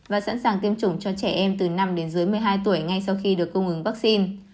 và sẵn sàng tiêm chủng cho trẻ em từ năm đến dưới một mươi hai tuổi ngay sau khi được cung ứng vaccine